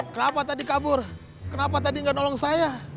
kenapa tadi kabur kenapa tadi nggak nolong saya